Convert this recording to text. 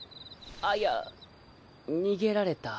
あいや逃げられた。